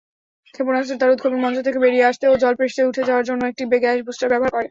ক্ষেপণাস্ত্রটি তার উৎক্ষেপণ মঞ্চ থেকে বেরিয়ে আসতে ও জল পৃষ্ঠে উঠে যাওয়ার জন্য একটি গ্যাস বুস্টার ব্যবহার করে।